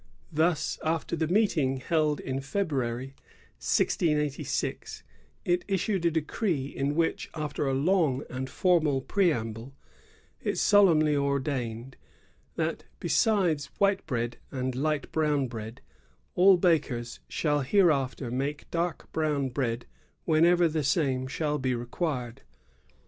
Thus, after the meet ing held in February, 1686, it issued a decree, in which, after a long and formal preamble, it solemnly ordained " that besides white bread and light brown bread, all bakers shall hereafter make dark brown bread whenever the same shall be required."